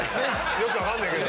よく分かんねえけど。